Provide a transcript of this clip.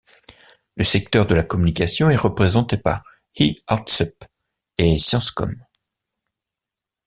Le secteur de la communication est représenté par E-Artsup et Sciencescom.